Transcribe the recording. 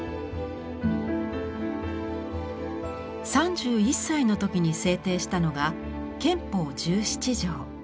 ３１歳の時に制定したのが憲法十七条。